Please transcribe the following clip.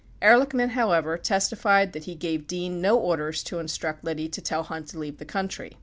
94 Ehrlichman, however, testified that he gave Dean no orders to instruct Liddy to tell Hunt to leave the country.